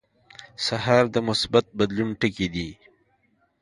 سهار د مثبت بدلون ټکي دي.